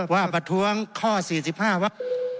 ว่าประท้วงข้อ๔๕ว่า